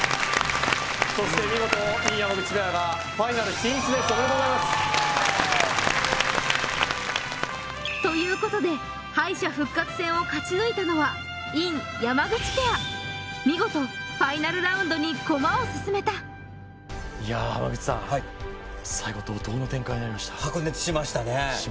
そして見事尹・山口ペアがファイナル進出ですおめでとうございますということで敗者復活戦を勝ち抜いたのは尹・山口ペア見事ファイナルラウンドに駒を進めたいやあ濱口さんはいしましたねえ